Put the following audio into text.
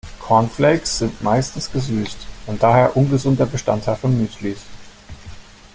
Cornflakes sind meistens gesüßt und daher ungesunder Bestandteil von Müslis.